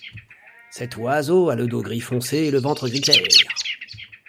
Cet oiseau a le dos gris foncé et le ventre gris clair.